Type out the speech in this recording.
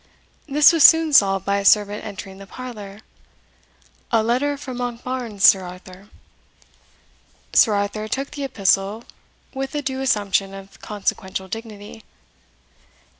This was soon solved by a servant entering the parlour, "A letter from Monkbarns, Sir Arthur." Sir Arthur took the epistle with a due assumption of consequential dignity.